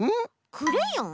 クレヨン？